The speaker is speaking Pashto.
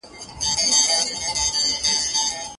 په قلم لیکنه کول د لوبو په څیر په زړه پوري کیدای سي.